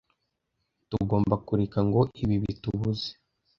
tugomba kureka ngo ibi bitubuze.